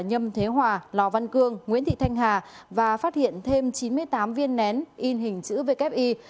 nhâm thế hòa lò văn cương nguyễn thị thanh hà và phát hiện thêm chín mươi tám viên nén in hình chữ vki